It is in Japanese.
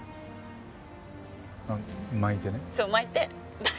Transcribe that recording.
巻いてね？